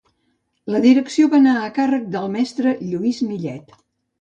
La direcció va anar a càrrec del mestre Lluís Millet.